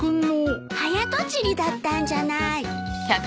早とちりだったんじゃない。